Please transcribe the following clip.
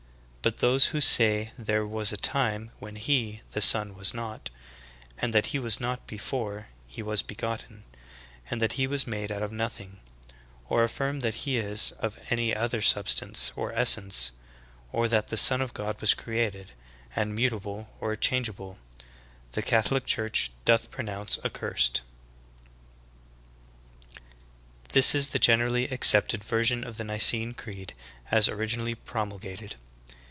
But those who say there was a time when he [the Son] was not, and that he was not before he was begotten, and that he was made out of nothing, or affirm that he is of any odier sub stance or essence, or that the Son of God was created, and mutable, or changeable, the Catholic Church doth pronounce accursed." 18. This is the generally accepted version of the Xicene Creed as originally promulgated.